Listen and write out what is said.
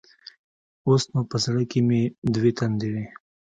اوس نو په زړه کښې مې دوې تندې وې.